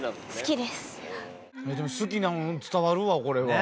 でも好きなん伝わるわこれは。